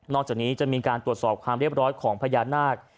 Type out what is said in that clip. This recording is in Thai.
จากนี้จะมีการตรวจสอบความเรียบร้อยของพญานาค